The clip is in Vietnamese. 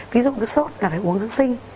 ví dụ cái sốt là phải uống hương sinh